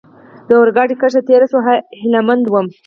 د اورګاډي کرښه تېره شوې وه، هیله مند ووم.